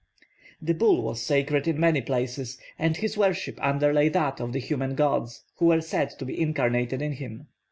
The bull was sacred in many places, and his worship underlay that of the human gods, who were said to be incarnated in him.